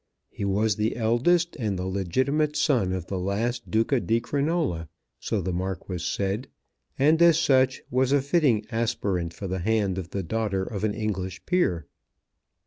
He was the eldest and the legitimate son of the last Duca di Crinola, so the Marquis said, and as such was a fitting aspirant for the hand of the daughter of an English peer.